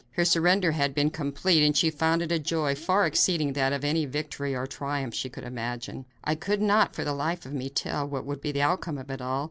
Her surrender had been complete, and she found in it a joy far exceeding that of any victory or triumph she could imagine. I could not for the life of me tell what would be the outcome of it all.